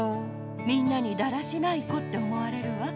みんなにだらしない子って思われるわ。